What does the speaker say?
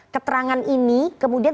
keterangan ini kemudian